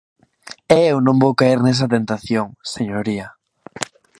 E eu non vou caer nesa tentación, señoría.